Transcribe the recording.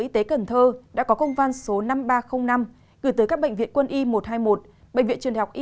y tế cần thơ đã có công văn số năm nghìn ba trăm linh năm gửi tới các bệnh viện quân y một trăm hai mươi một bệnh viện trường học y